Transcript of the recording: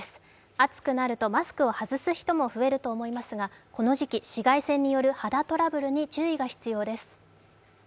暑くなるとマスクを外す人も多くなると思いますがこの時期、紫外線による肌トラブルに注意が必要です。